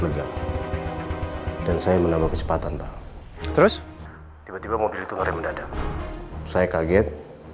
lega dan saya menambah kecepatan pak terus tiba tiba mobil itu kemarin mendadak saya kaget